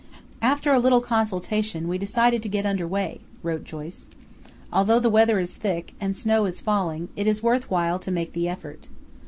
"After a little consultation we decided to get under way," wrote Joyce. "Although the weather is thick, and snow is falling, it is worth while to make the effort.